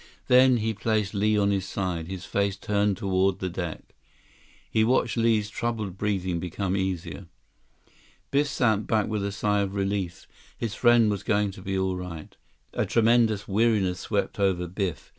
Then he placed Li on his side, his face turned toward the deck. He watched Li's troubled breathing become easier. Biff sank back with a sigh of relief. His friend was going to be all right. A tremendous weariness swept over Biff.